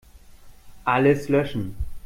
Alles löschen.